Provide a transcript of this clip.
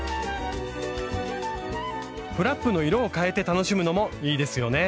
フラップの色を変えて楽しむのもいいですよね！